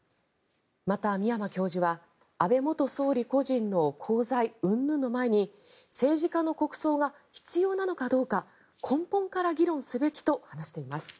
また、宮間教授は安倍元総理個人の功罪うんぬんの前に政治家の国葬が必要なのかどうか根本から議論すべきと話しています。